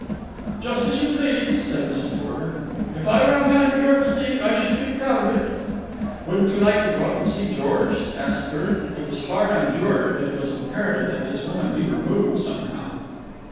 "Just as you please," said Mrs. Porter. "If I were a man of your physique, I should be proud of it." "Wouldn't you like to go up and see George?" asked Kirk. It was hard on George, but it was imperative that this woman be removed somehow.